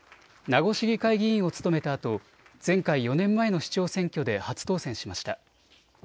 名護市議会議員を務めたあと前回４年前の市長選挙で初当選しました。